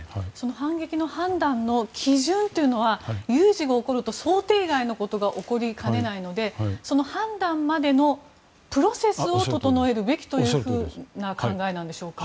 反撃の判断の基準は有事が起こると想定外のことが起きかねないので判断までのプロセスを整えるべきという考えなんでしょうか。